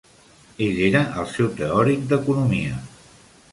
Ell era el seu teòric d'economia.